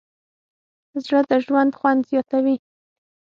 زړه د ژوند خوند زیاتوي.